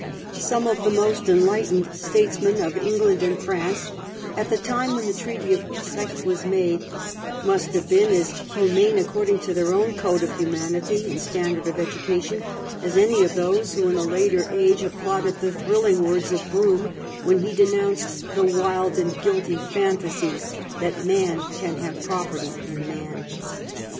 Some of the most enlightened statesmen of England and France at the time when the Treaty of Utrecht was made must have been as humane, according to their own code of humanity and standard of education, as any of those who in a later age applauded the thrilling words of Brougham when he denounced ' the wild and guilty phantasy' that man can have property in man.